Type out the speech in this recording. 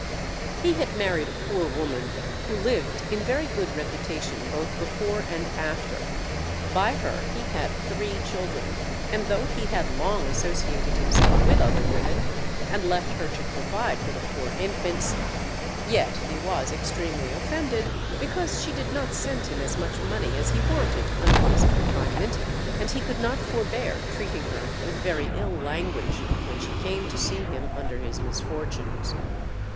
He had married a poor woman, who lived in very good reputation both before and after; by her he had three children, and though he had long associated himself with other women, and left her to provide for the poor infants, yet he was extremely offended because she did not send him as much money as he wanted under his confinement, and he could not forbear treating her with very ill language when she came to see him under his misfortunes.